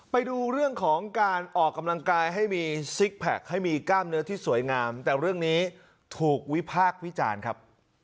ไปดูเรื่องของการออกกำลังกายให้มีซิกแพคให้มีกล้ามเนื้อที่สวยงามแต่เรื่องนี้ถูกวิพากษ์วิจารณ์ครับ